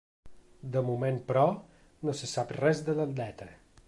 De moment, però, no se sap res de l’atleta.